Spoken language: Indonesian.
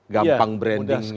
gampang brandingnya ke konstituen